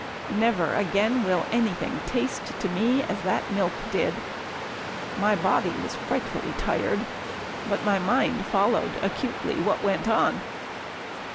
Never again will anything taste to me as that milk did. My body was frightfully tired, but my mind followed acutely what went on.